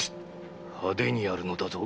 派手にやるのだぞ。